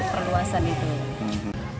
perlu asan itu